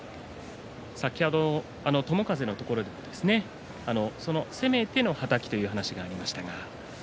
友風のところで攻めてのはたきという話がありました。